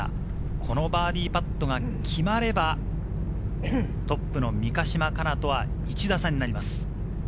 このバーディーパットが決まれば、トップの三ヶ島かなとは１打差になります。